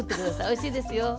おいしいですよ。